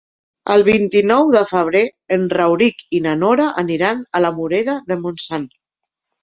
El vint-i-nou de febrer en Rauric i na Nora aniran a la Morera de Montsant.